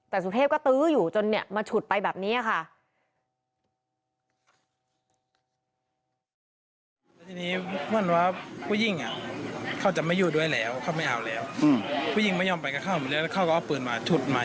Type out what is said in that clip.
แต่สุเทพก็ตื้ออยู่จนมาฉุดไปแบบนี้ค่ะ